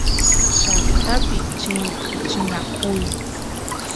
llaqtapi chinkachinakuy